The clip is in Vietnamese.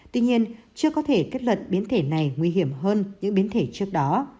tuy nhiên chưa có thể kết luận biến thể này nguy hiểm hơn những biến thể trước đó